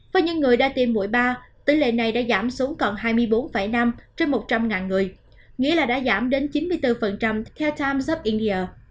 và những người đã tiêm mũi ba tỷ lệ này đã giảm xuống còn hai mươi bốn năm trên một trăm linh người nghĩa là đã giảm đến chín mươi bốn theo times of india